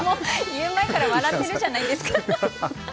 言う前から笑ってるじゃないですか。